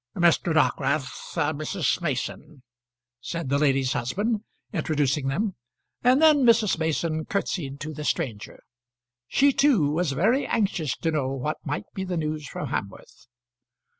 "Mr. Dockwrath, Mrs. Mason," said the lady's husband, introducing them; and then Mrs. Mason curtsied to the stranger. She too was very anxious to know what might be the news from Hamworth.